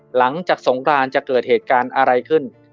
หลังจากสงครานจะเกิดเหตุการณ์อะไรขึ้น